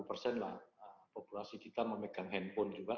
populasi kita memegang handphone juga